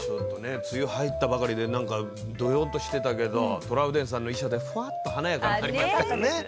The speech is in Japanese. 梅雨に入ったばかりでどよんとしてたけどトラウデンさんの衣装でふわっと華やかになりますね。